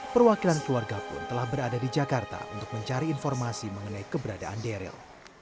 perwakilan keluarga pun telah berada di jakarta untuk mencari informasi mengenai keberadaan daryl